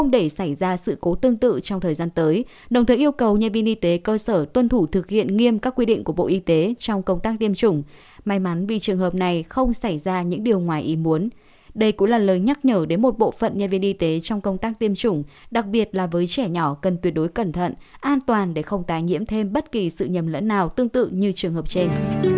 đây cũng là lời nhắc nhở đến một bộ phận nhân viên y tế trong công tác tiêm chủng đặc biệt là với trẻ nhỏ cần tuyệt đối cẩn thận an toàn để không tái nhiễm thêm bất kỳ sự nhầm lẫn nào tương tự như trường hợp trên